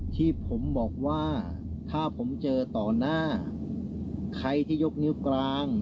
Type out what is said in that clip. ที่ผมบอกว่าถ้าผมเจอต่อหน้าใครที่ยกนิ้วกลาง